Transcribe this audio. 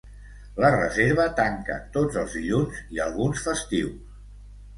La Reserva tanca tots els dilluns i alguns festius.